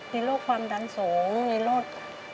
มีโรคความดันสูงมีรถ